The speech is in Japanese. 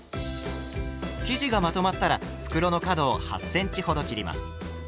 生地がまとまったら袋の角を８ｃｍほど切ります。